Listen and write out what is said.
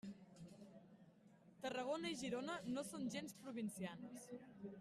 Tarragona i Girona no són gens provincianes.